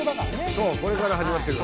そうこれから始まってる。